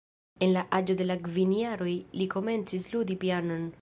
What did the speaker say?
En la aĝo de kvin jaroj li komencis ludi pianon.